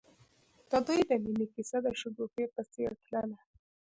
د دوی د مینې کیسه د شګوفه په څېر تلله.